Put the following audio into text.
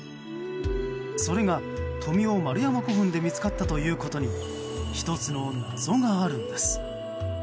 それが富雄丸山古墳で見つかったということに１つの謎があるんです。